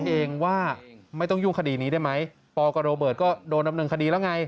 เองว่าไม่ต้องยุ่งคดีนี้ได้ไหมปกับโรเบิร์ตก็โดนดำเนินคดีแล้วไง